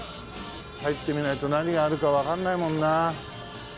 入ってみないと何があるかわかんないもんな。